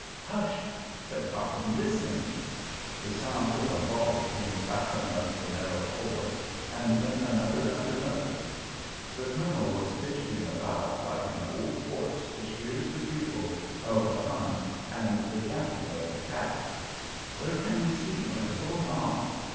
"Hush!" said Cochrane. "Listen!" The sound of a volley came crackling up the narrow khor, and then another and another. The Colonel was fidgeting about like an old horse which hears the bugle of the hunt and the yapping of the pack. "Where can we see what is going on?"